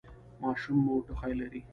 ماشوم مو ټوخی لري؟